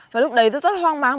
và lúc đấy rất rất hoang mang